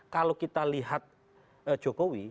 kalau kita lihat jokowi